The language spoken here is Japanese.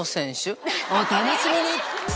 お楽しみに！